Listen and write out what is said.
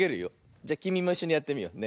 じゃきみもいっしょにやってみようね。